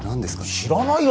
知らないよ